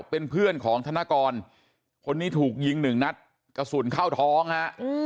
เป็นเพื่อนของธนกรคนนี้ถูกยิงหนึ่งนัดกระสุนเข้าท้องฮะ